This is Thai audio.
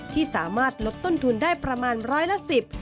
ที่สามารถลดต้นทุนได้ประมาณร้อยละสิบ